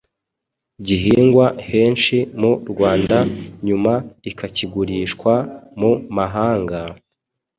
gihingwa henshi mu Rwanda nyuma ikagurishwa mu mahanga,